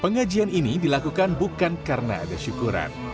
pengajian ini dilakukan bukan karena ada syukuran